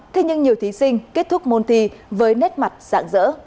thế nhưng nhiều thí sinh kết thúc môn thi với nét mặt dạng dỡ